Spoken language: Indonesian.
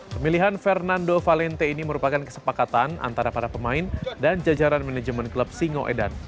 pemilihan fernando valente ini merupakan kesepakatan antara para pemain dan jajaran manajemen klub singoedan